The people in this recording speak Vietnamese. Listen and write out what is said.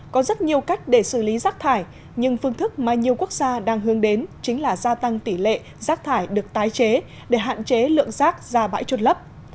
có rất nhiều cách để xử lý rác thải nhưng phương thức mà nhiều quốc gia đang hướng đến chính là gia tăng tỷ lệ rác thải được tái chế để hạn chế lượng rác ra bãi trôn lấp